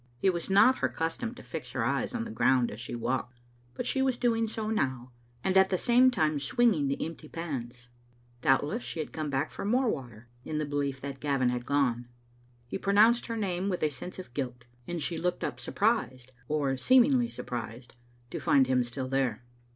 It was not her custom to fix her eyes on the ground as she walked, but she was doing so now, and at the same time swinging the empty pans. Doubtless she had come back for more water, in the belief that Gavin had gone. He pronounced her name with a sense of guilt, and she looked up surprised, or seem ingly surprised, to find him still there.